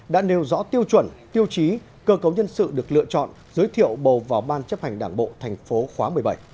đã nêu rõ tiêu chuẩn tiêu chí cơ cấu nhân sự được lựa chọn giới thiệu bầu vào ban chấp hành đảng bộ thành phố khóa một mươi bảy